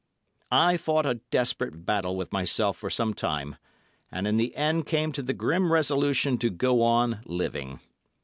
I fought a desperate battle with myself for some time, and in the end came to the grim resolution to go on living.